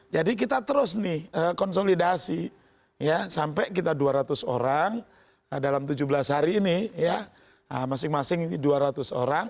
jadi kita terus nih konsolidasi ya sampai kita dua ratus orang dalam tujuh belas hari ini ya masing masing dua ratus orang